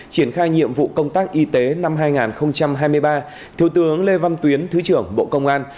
triển khai nhiệm vụ công tác y tế năm hai nghìn hai mươi ba thiếu tướng lê văn tuyến thứ trưởng bộ công an